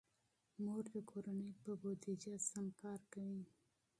مور د کورنۍ په بودیجه سم کار کوي.